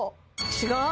違う！